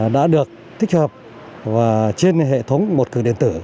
đã được thích hợp trên hệ thống một cửa điện tử